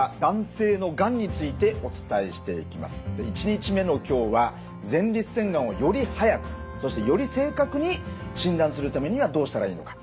１日目の今日は前立腺がんをより早くそしてより正確に診断するためにはどうしたらいいのか。